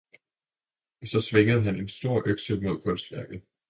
og så svingede han en en stor økse mod kunstværket.